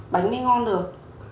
bánh mới ngon được